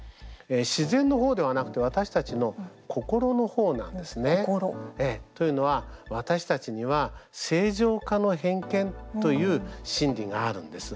自然のほうではなくて私たちの心のほうなんですね。というのは私たちには正常化の偏見という心理があるんです。